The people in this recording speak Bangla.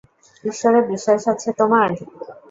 ঈশ্বরে বিশ্বাস আছে তোমার?